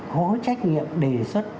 có trách nhiệm đề xuất